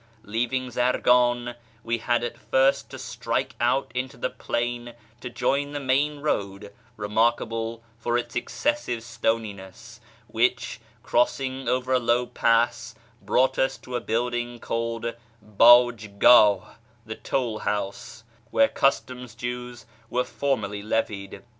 Leaving Zargan, we had first to strike out into the plain to join the main road (remarkable for its excessive stoniness), which, crossing over a low pass, brought us to a building called Baj gdh ("the Toll House"), where customs' dues were formerly levied.